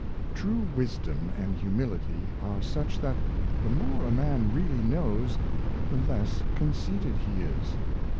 True wisdom and humility are such that the more a Loudon, , 235 man really knows, the less conceited he is.